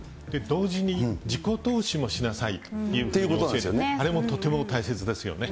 同時に自己投資もしなさいっていう、あれもとても大切ですよね。